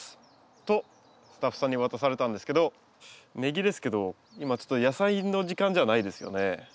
とスタッフさんに渡されたんですけどネギですけど今ちょっと「やさいの時間」じゃないですよね？